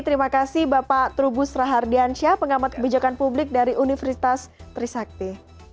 terima kasih bapak trubus rahardiansyah pengamat kebijakan publik dari universitas trisakti